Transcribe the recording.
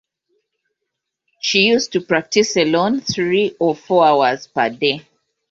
She used to practice alone three or four hours per day.